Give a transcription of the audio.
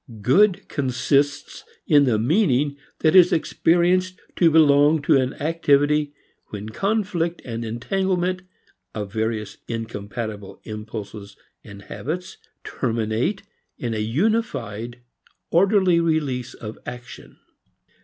Good consists in the meaning that is experienced to belong to an activity when conflict and entanglement of various incompatible impulses and habits terminate in a unified orderly release in action.